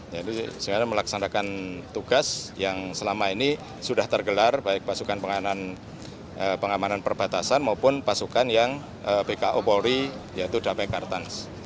jadi sekarang melaksanakan tugas yang selama ini sudah tergelar baik pasukan pengamanan perbatasan maupun pasukan yang bko polri yaitu dape kartans